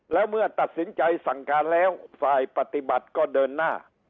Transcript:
แล้วเมื่อตัดสินใจสั่งการแล้วฝ่ายปฏิบัติก็เดินหน้า